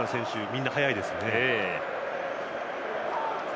みんな早いですね。